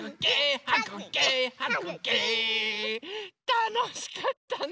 たのしかったね！